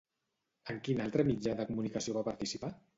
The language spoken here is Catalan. En quin altre mitjà de comunicació va participar?